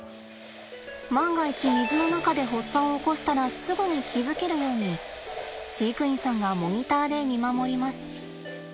万が一水の中で発作を起こしたらすぐに気付けるように飼育員さんがモニターで見守ります。